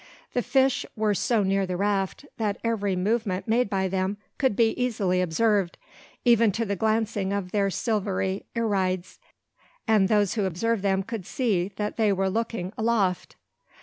The fish were so near the raft, that every movement made by them could be easily observed, even to the glancing of their silvery irides, and those who observed them could see that they were looking aloft.